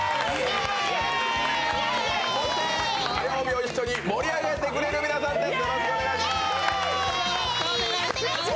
そして火曜日を一緒に盛り上げてくれる皆さんです。